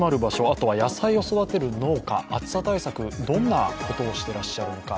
あとは野菜を育てる農家、暑さ対策、どんなことをしていらっしゃるのか。